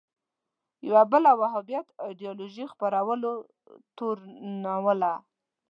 یوه بله وهابیت ایدیالوژۍ خپرولو تورنوله